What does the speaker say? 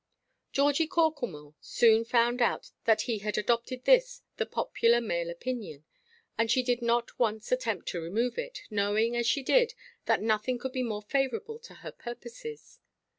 Georgie Corklemore soon found out that he had adopted this, the popular male opinion; and she did not once attempt to remove it, knowing, as she did, that nothing could be more favourable to her purposes.